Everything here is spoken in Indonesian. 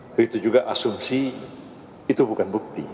begitu juga asumsi itu bukan bukti